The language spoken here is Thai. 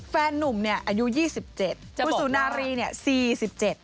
แฟนนุ่มเนี่ยอายุ๒๗คุณสุนารีเนี่ย๔๗